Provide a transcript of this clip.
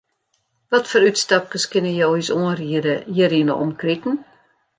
Watfoar útstapkes kinne jo ús oanriede hjir yn 'e omkriten?